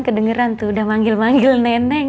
kedengeran tuh udah manggil manggil neneng